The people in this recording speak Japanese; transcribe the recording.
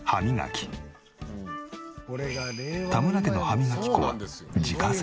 田村家の歯磨き粉は自家製。